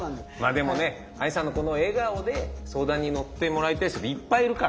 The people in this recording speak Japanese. でもねＡＩさんのこの笑顔で相談に乗ってもらいたい人いっぱいいるから。